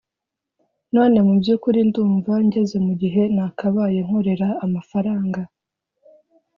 none mubyukuri ndumva ngeze mugihe nakabaye nkorera amafaranga,